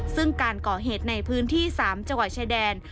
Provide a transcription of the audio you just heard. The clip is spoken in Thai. ซึ่งการก่อเหตุในพื้นที่๓จังหวัดชายแดน